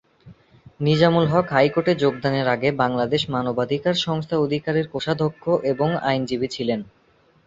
নিজামুল হক হাইকোর্টে যোগদানের আগে বাংলাদেশ মানবাধিকার সংস্থা অধিকার এর কোষাধ্যক্ষ এবং আইনজীবী ছিলেন।